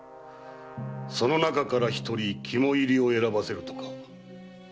その中からひとり肝煎を選ばせるとか。